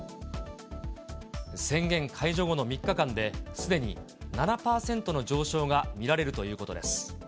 宣言解除後の３日間で、すでに７％の上昇が見られるということです。